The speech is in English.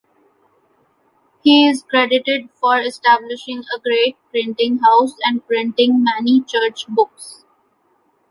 He is credited for establishing a great printing house and printing many Church books.